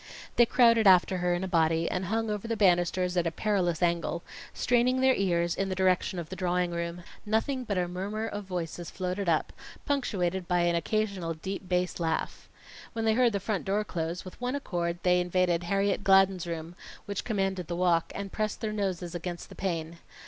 They crowded after her in a body and hung over the banisters at a perilous angle, straining their ears in the direction of the drawing room. Nothing but a murmur of voices floated up, punctuated by an occasional deep bass laugh. When they heard the front door close, with one accord they invaded Harriet Gladden's room, which commanded the walk, and pressed their noses against the pane.